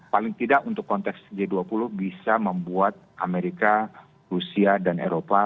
paling tidak untuk konteks g dua puluh bisa membuat amerika rusia dan eropa